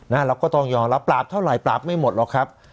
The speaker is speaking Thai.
เราก็ต้องยอมรับปราบเท่าไหปราบไม่หมดหรอกครับ